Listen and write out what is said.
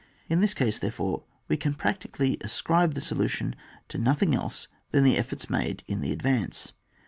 In this case, there fore, we can practically ascribe the solu tion to nothing else than the efforts made in the advance.